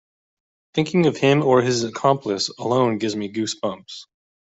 Thinking of him or his accomplice alone gives me goose bumps.